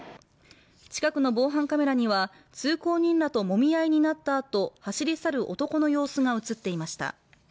近くの防犯カメラには通行人らともみ合いになったあと走り去る男の様子が映っていました。